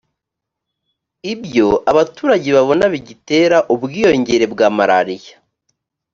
ibyo abaturage babona bigitera ubwiyongere bwa malariya